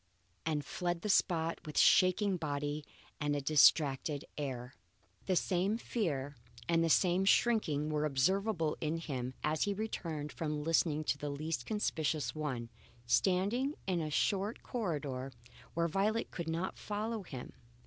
and fled the spot with shaking body and a distracted air. The same fear and the same shrinking were observable in him as he returned from listening to the least conspicuous one, standing in a short corridor, where Violet could not follow him.